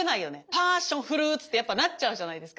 パーッションフルーツってやっぱなっちゃうじゃないですか。